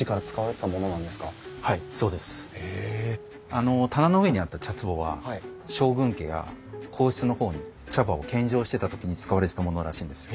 あの棚の上にあった茶つぼは将軍家や皇室のほうに茶葉を献上してた時に使われてたものらしいんですよ。